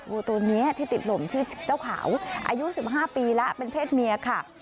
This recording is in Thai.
วัวตัวนี้ที่ติดหล่มชื่อเจ้าขาวอายุ๑๕ปีแล้วเป็นเพศเมียค่ะ